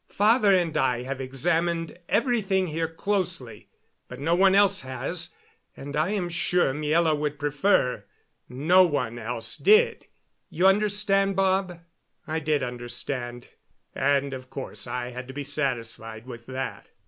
"Father and I have examined everything here closely. But no one else has and I am sure Miela would prefer no one else did. You understand, Bob?" I did understand; and of course I had to be satisfied with that.